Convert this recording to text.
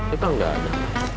itu kan gak ada